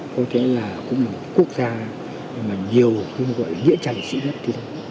có thể là cũng là một quốc gia mà nhiều gọi là nghĩa chành sự nhất